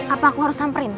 apa aku harus samperin